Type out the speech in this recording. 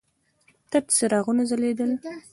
تت څراغونه ځلېدل.